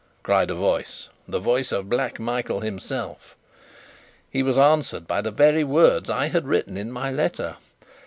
cried a voice the voice of Black Michael himself. He was answered by the very words I had written in my letter.